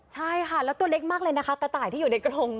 ใช่ค่ะแล้วตัวเล็กมากเลยนะคะกระต่ายที่อยู่ในกระทง